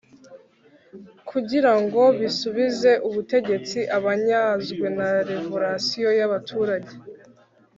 kugira ngo bisubize ubutegetsi banyazwe na revolisiyo y’abaturage